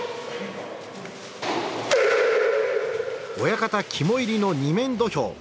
親方肝煎りの２面土俵。